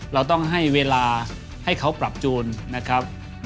เราต้องให้เวลาให้เขาปรับจูนนะครับ